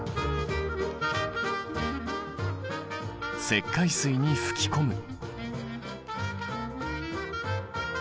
石灰水に吹き込む。